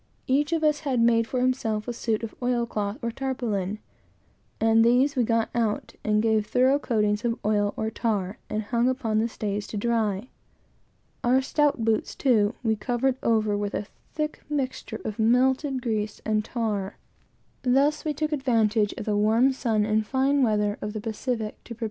Each of us had made for himself a suit of oil cloth or tarpaulin, and these we got out, and gave thorough coatings of oil or tar, and hung upon the stays to dry. Our stout boots, too, we covered over with a thick mixture of melted grease and tar, and hung out to dry.